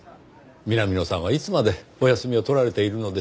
南野さんはいつまでお休みを取られているのでしょうか。